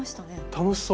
楽しそう。